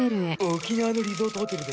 沖縄のリゾートホテルで。